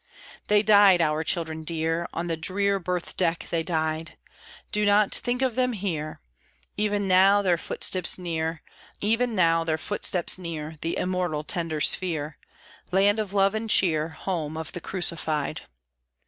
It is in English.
They died, our children dear. On the drear berth deck they died, Do not think of them here Even now their footsteps near The immortal, tender sphere (Land of love and cheer! Home of the Crucified!).